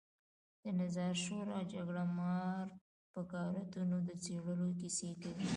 د نظار شورا جګړهمار بکارتونو د څېرلو کیسې کوي.